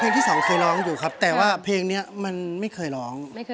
ที่สองเคยร้องอยู่ครับแต่ว่าเพลงนี้มันไม่เคยร้อง